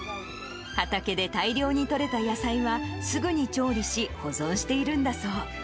畑で大量に取れた野菜は、すぐに調理し、保存しているんだそう。